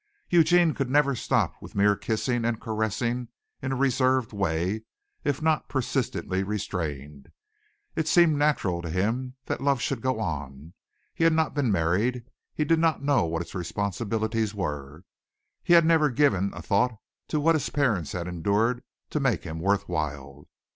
Eugene could never stop with mere kissing and caressing in a reserved way, if not persistently restrained. It seemed natural to him that love should go on. He had not been married. He did not know what its responsibilities were. He had never given a thought to what his parents had endured to make him worth while.